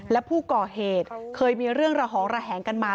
และผู้ก่อเหตุเคยมีเรื่องระหองระแหงกันมา